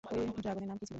ঐ ড্রাগনের নাম কি ছিল?